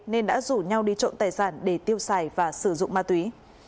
nên đã rủ nhau đi trộm tài sản để tiêu xài và sử dụng ma túy